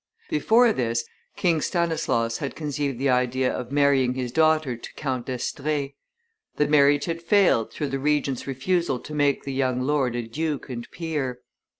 Before this King Stanislaus had conceived the idea of marrying his daughter to Count d'Estrees; the marriage had failed through the Regent's refusal to make the young lord a duke and peer.